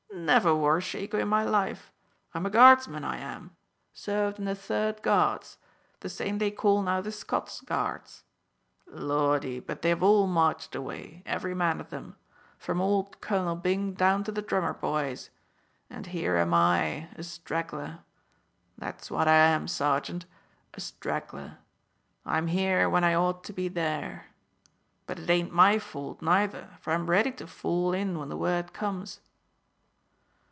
"Never wore a shako in my life. I am a guardsman, I am. Served in the Third Guards the same they call now the Scots Guards. Lordy, but they have all marched away every man of them from old Colonel Byng down to the drummer boys, and here am I a straggler that's what I am, sergeant, a straggler! I'm here when I ought to be there. But it ain't my fault neither, for I'm ready to fall in when the word comes."